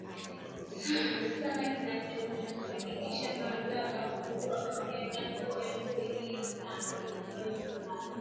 sana kinachohakikisha mamlaka kuu ya kiongozi mkuu Ina wajumbe